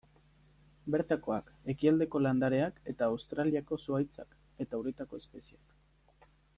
Bertakoak, ekialdeko landareak eta Australiako zuhaitzak, eta uretako espezieak.